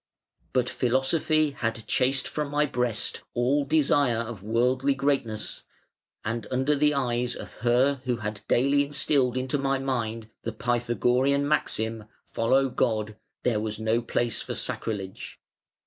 But Philosophy had chased from my breast all desire of worldly greatness, and under the eyes of her who had daily instilled into my mind the Pythagorean maxim 'Follow God,' there was no place for sacrilege.